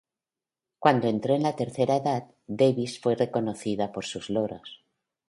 Cuando entró en la tercera edad, Davis fue reconocida por sus logros.